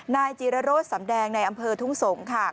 นายจีรโรธสำแดงในอำเภอทุ่งสงศ์ค่ะ